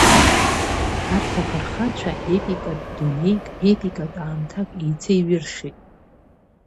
Арҭ афырхацәа епикатә дунеик, епикатә аамҭак еицеиҩыршеит.